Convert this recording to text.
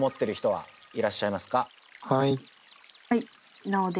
はい。